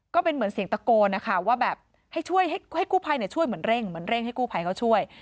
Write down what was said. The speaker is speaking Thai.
ก็เป็นเหมือนเสียงตะโกนนะคะว่าแบบให้ช่วยให้กู้ภัยช่วยเหมือนเร่งเหมือนเร่งให้กู้ภัยเขาช่วย